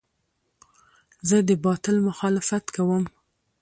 زه د باطل مخالفت کوم.